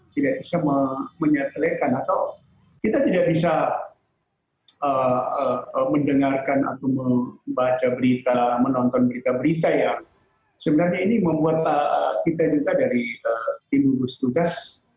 tidak bisa menyepelekan atau kita tidak bisa mendengarkan atau membaca berita menonton berita berita yang sebenarnya ini membuat kita juga dari tim gugus tugas